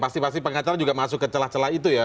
pasti pasti pengacara juga masuk ke celah celah itu ya